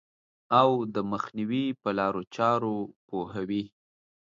او د مخنیوي په لارو چارو پوهوي.